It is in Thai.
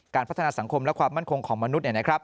พัฒนาสังคมและความมั่นคงของมนุษย์